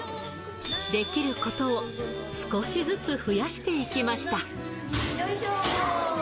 できることを少しずつ増やしよいしょ。